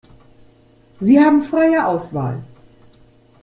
Sie haben freie Auswahl.